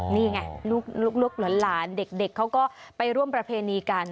นี่ไงลูกหลานเด็กเขาก็ไปร่วมประเพณีกัน